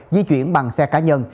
di chuyển bằng xe cá nhân